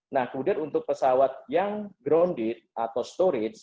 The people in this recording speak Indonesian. nah kemudian untuk pesawat yang grounded atau storage